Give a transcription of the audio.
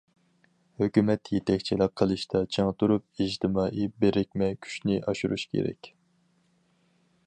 ھۆكۈمەت يېتەكچىلىك قىلىشتا چىڭ تۇرۇپ، ئىجتىمائىي بىرىكمە كۈچنى ئاشۇرۇش كېرەك.